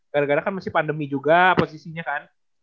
gara gara kan masih pandemi juga posisinya kan